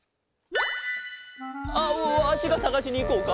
あっわしがさがしにいこうか？